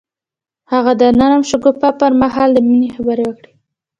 هغه د نرم شګوفه پر مهال د مینې خبرې وکړې.